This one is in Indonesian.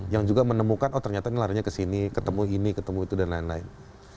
yang juga menemukan oh ternyata ini larinya ke sini ketemu ini ketemu itu dan lain lain